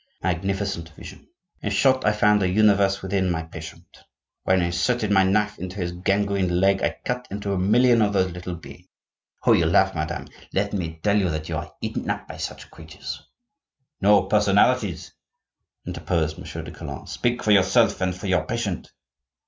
Magnificent vision! In short, I found a universe within my patient. When I inserted my knife into his gangrened leg I cut into a million of those little beings. Oh! you laugh, madame; let me tell you that you are eaten up by such creatures—" "No personalities!" interposed Monsieur de Calonne. "Speak for yourself and for your patient."